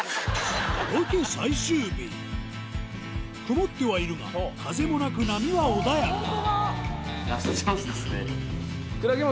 曇ってはいるが風もなく波は穏やか